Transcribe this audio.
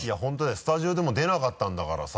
スタジオでも出なかったんだからさ。